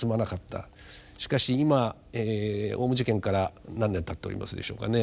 しかし今オウム事件から何年たっておりますでしょうかね。